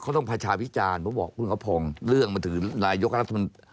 เขาต้องพัชวิจารณ์เขาบอกเรื่องมาถึงนายกราศมนตร์